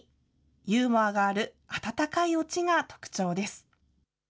ユーモアがある温かいオチが特徴です。